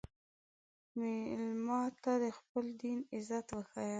مېلمه ته د خپل دین عزت وښیه.